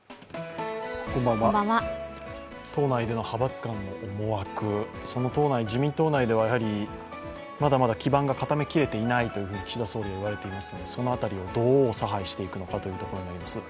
党内での派閥間での思惑、その党内、その自民党内では、まだまだ基盤が固めきれていないと岸田総理は言われていますので、その辺りをどう差配していくのかということになります。